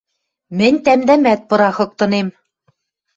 Мӹнь тӓмдӓмӓт пырахыктынем...